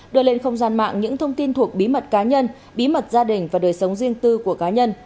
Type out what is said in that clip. đưa lên không gian mạng những thông tin thuộc bí mật cá nhân bí mật gia đình và đời sống riêng tư của cá nhân